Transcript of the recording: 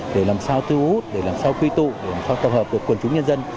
để làm sao tư hút làm sao quy tụ làm sao tập hợp được quần chúng nhân dân